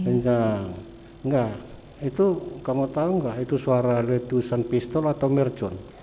enggak enggak itu kamu tahu nggak itu suara letusan pistol atau mercon